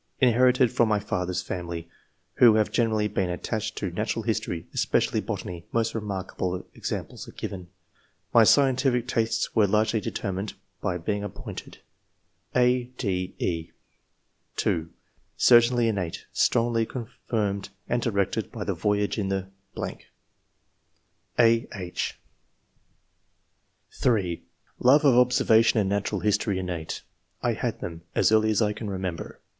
]" Inherited from my father's family, who have generally been attached to natural history [especially botany — ^most remarkable ex amples are given]. My scientific tastes were largely determined by being appointed " (a, d, e) (2) "Certainly innate Strongly con firmed and directed by the voyage in the ...•" (a, A) (3) ^^ Love of observation and natural history innate ; [I had them] as early as I can remember.